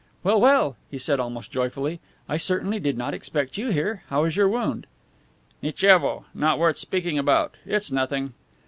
"Well, well!" he said, almost joyfully. "I certainly did not expect you here. How is your wound?" "Nitchevo! Not worth speaking about; it's nothing."